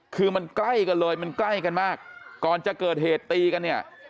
คือมันใกล้กันเลยมันใกล้กันมากก่อนจะเกิดเหตุตีกันเนี่ย